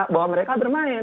bahwa mereka bermain